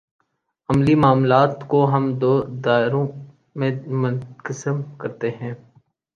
عملی معاملات کو ہم دو دائروں میں منقسم کرتے ہیں۔